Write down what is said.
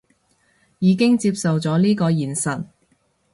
已經接受咗呢個現實